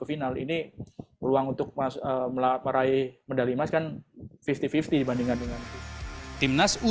ini peluang untuk melaparai medali emas kan lima puluh lima puluh dibandingkan dengan tim nasi